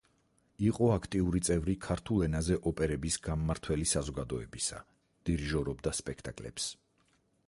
იყო აქტიური წევრი „ქართულ ენაზე ოპერების გამმართველი საზოგადოებისა“, დირიჟორობდა სპექტაკლებს.